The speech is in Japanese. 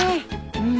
うん。